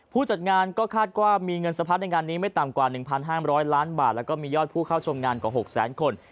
จัดงานก็คาดว่ามีเงินสะพัดในงานนี้ไม่ต่ำกว่า๑๕๐๐ล้านบาทแล้วก็มียอดผู้เข้าชมงานกว่า๖แสนคน